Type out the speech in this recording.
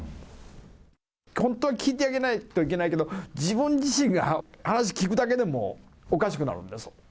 本当は聞いてあげないといけないけど、自分自身が話聞くだけでもおかしくなるんです。